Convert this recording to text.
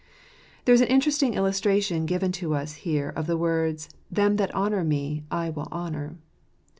There is an interesting illustration given to us here of the words, "Them that honour Me, I will honour."